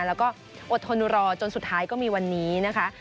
แล้วก็อดทนรอจนสุดท้ายก็มีวันนี้นะคะ